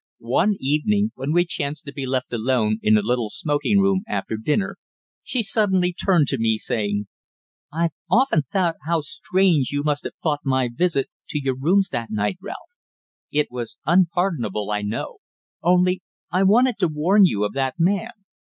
One evening, when we chanced to be left alone in the little smoking room after dinner, she suddenly turned to me, saying: "I've often thought how strange you must have thought my visit to your rooms that night, Ralph. It was unpardonable, I know only I wanted to warn you of that man."